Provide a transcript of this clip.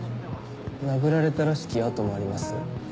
殴られたらしき痕もあります。